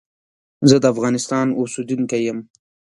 زه دافغانستان اوسیدونکی یم.